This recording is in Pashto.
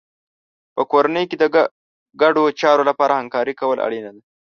په کورنۍ کې د ګډو چارو لپاره همکاري کول اړینه ده.